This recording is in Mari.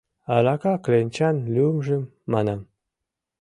— Арака кленчан лӱмжым, манам...